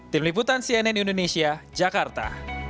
beriputan cnn indonesia jakarta